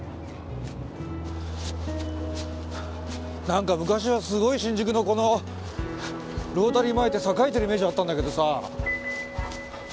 何か昔はすごい新宿のこのロータリー前って栄えてるイメージあったんだけどさ。